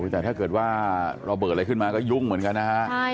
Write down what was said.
แต่ถ้าเกิดว่าระเบิดอะไรขึ้นมาก็ยุ่งเหมือนกันนะฮะ